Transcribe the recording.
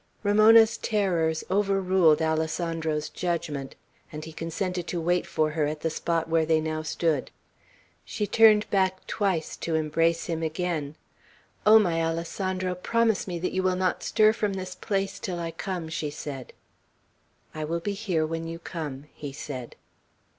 Ramona's terrors overruled Alessandro's judgment, and he consented to wait for her at the spot where they now stood. She turned back twice to embrace him again. "Oh, my Alessandro, promise me that you will not stir from this place till I come," she said. "I will be here when you come," he said.